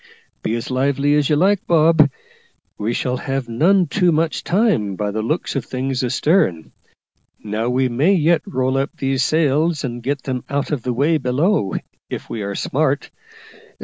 Be as lively as you like, Bob; we shall have none too much time, by the look of things astern. Now we may yet roll up these sails and get them out of the way below, if we are smart.